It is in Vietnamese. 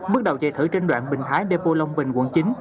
bước đầu chạy thử trên đoạn bình thái depo long bình quận chín